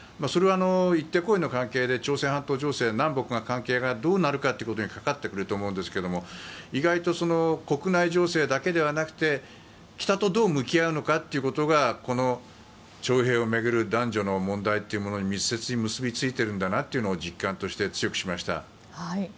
それは、行って来いの関係で朝鮮半島情勢、南北の関係がどうなるかということにかかってくると思いますが意外と国内情勢だけではなくて北とどう向き合うのかということがこの徴兵を巡る男女の問題というものに密接に結びついているんだなというのを実感として強くしました。